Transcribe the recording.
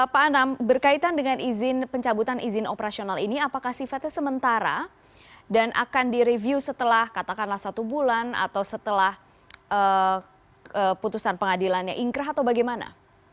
pak anam berkaitan dengan izin pencabutan izin operasional ini apakah sifatnya sementara dan akan direview setelah katakanlah satu bulan atau setelah putusan pengadilannya ingkrah atau bagaimana